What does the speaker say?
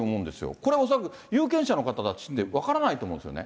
これは恐らく有権者の方たちって分からないと思うんですよね。